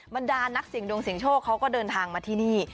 บรรดานักเสียงดวงเสียงโชคเขาก็เดินทางมาที่นี่